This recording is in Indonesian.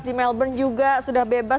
di melbourne juga sudah bebas